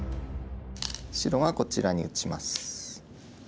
白がこちらに打ちます。